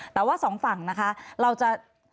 แต่ว่าสองฝั่งนะคะเราจะ